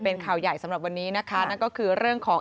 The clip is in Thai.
เป็นข่าวใหญ่สำหรับวันนี้นะคะนั่นก็คือเรื่องของ